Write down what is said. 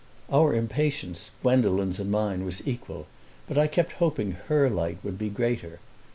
Our impatience, Gwendolen's and mine, was equal, but I kept hoping her light would be greater.